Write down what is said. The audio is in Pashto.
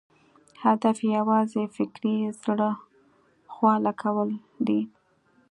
هدف یې یوازې فکري زړه خواله کول دي.